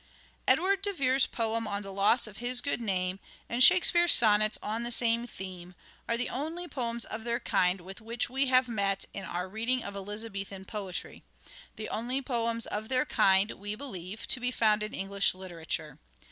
Edward de Vere's poem on the loss of his good name, and Shakespeare's sonnets on the same theme, are the only poems of their kind with which we have met in our reading of Elizabethan poetry — the only poems of their kind, we believe, to be found in English literature.